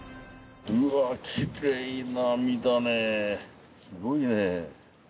うわきれいな身だねすごいね。